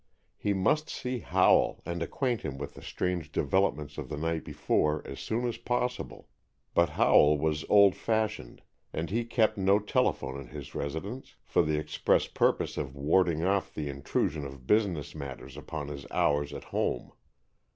He must see Howell and acquaint him with the strange developments of the night before as soon as possible, but Howell was old fashioned, and he kept no telephone at his residence, for the express purpose of warding off the intrusion of business matters upon his hours at home.